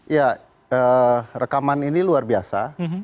ya rekaman ini luar biasa